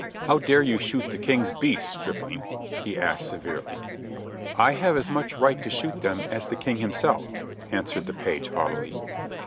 "How dare you shoot the King's beasts, stripling?" asked Robin, very severely. "I have as much right to shoot them as the King himself," answered the page, haughtily, and by no means afraid.